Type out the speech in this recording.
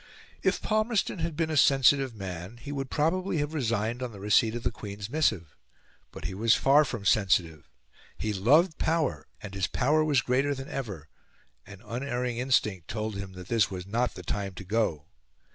If Palmerston had been a sensitive man, he would probably have resigned on the receipt of the Queen's missive. But he was far from sensitive; he loved power, and his power was greater than ever; an unerring instinct told him that this was not the time to go.